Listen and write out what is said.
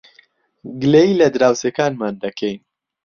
گلەیی لە دراوسێکانمان دەکەین.